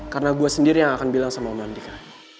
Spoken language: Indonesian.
karena gue sendiri yang akan bilang sama om andika